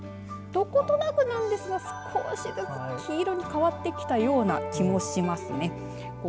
どことなくなんですが少しずつ黄色に変わってきたような気もしますね。